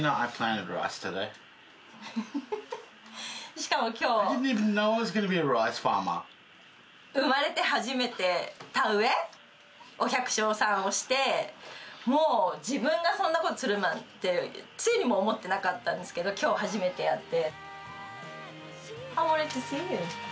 しかもきょう、生まれて初めて田植え、お百姓さんをして、もう自分がそんなことするなんて、つゆにも思ってなかったんですけど、きょう初めてやって。